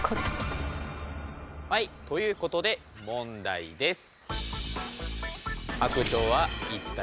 はいということで問題です。